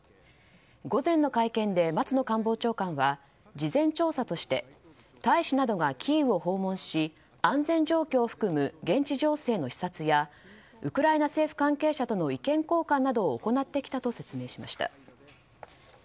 午前の会見で松野官房長官は事前調査として大使などがキーウを訪問し安全状況を含む現地情勢の視察やウクライナ政府関係者との意見交換などを行ってきたと説明しました。